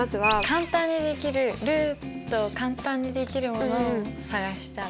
簡単にできるルートを簡単にできるものを探したら。